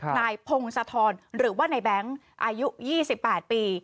ค่ะนายพงศธรหรือว่าในแบงค์อายุยี่สิบแปดปี